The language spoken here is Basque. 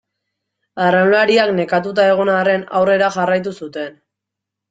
Arraunlariak nekatuta egon arren aurrera jarraitu zuten.